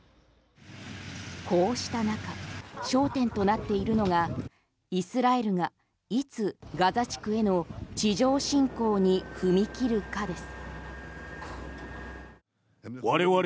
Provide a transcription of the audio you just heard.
こうした中焦点となっているのがイスラエルがいつガザ地区への地上侵攻に踏み切るかです。